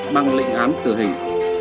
băng lịnh án tử hình